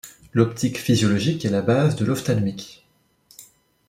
L'optique physiologique est la base de l'ophtalmique.